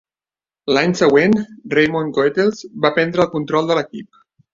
L'any següent, Raymond Goethals va prendre el control de l'equip.